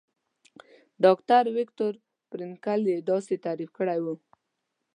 ډاکټر ويکټور فرېنکل يې تعريف داسې کړی وو.